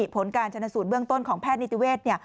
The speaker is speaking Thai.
ผลการชนสูตรเบื้องต้นของแพทย์นิติเวศเนี่ย